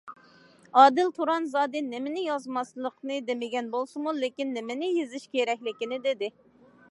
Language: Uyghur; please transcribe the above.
ئادىل تۇران زادى نېمىنى يازماسلىقنى دېمىگەن بولسىمۇ، لېكىن نېمىنى يېزىش كېرەكلىكىنى دېدى.